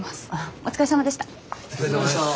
お疲れさまでした。